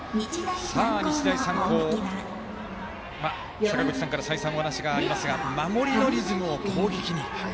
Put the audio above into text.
日大三高、坂口さんから再三お話がありますが守りのリズムを攻撃に。